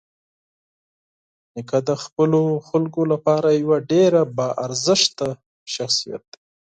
نیکه د خپلو خلکو لپاره یوه ډېره باارزښته شخصيت دی.